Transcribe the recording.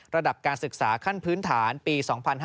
ระดับการศึกษาขั้นพื้นฐานปี๒๕๕๙